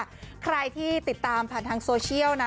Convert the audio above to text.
ใครที่ติดตามผ่านทางโซเชียลนะ